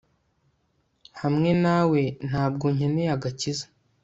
hamwe nawe, ntabwo nkeneye agakiza